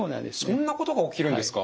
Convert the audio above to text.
そんなことが起きるんですか！